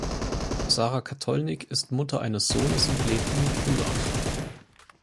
Sarah Katholnig ist Mutter eines Sohnes und lebt in Villach.